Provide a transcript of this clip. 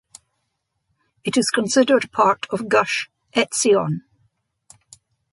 It is considered part of Gush Etzion.